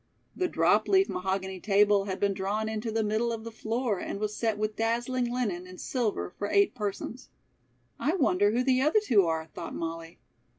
The drop leaf mahogany table had been drawn into the middle of the floor and was set with dazzling linen and silver for eight persons. "I wonder who the other two are," thought Molly.